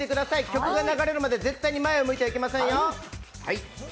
曲が流れるまで絶対前を向いたらいけませんよ。